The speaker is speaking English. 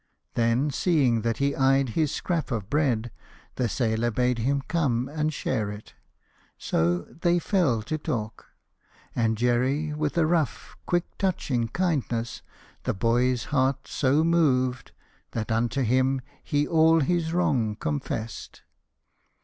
Then, seeing that he eyed his scrap of bread, The sailor bade him come and share it. So They fell to talk; and Jerry, with a rough, Quick touching kindness, the boy's heart so moved That unto him he all his wrong confessed.